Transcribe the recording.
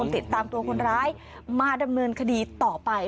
ติดตามตัวคนร้ายมาดำเนินคดีต่อไป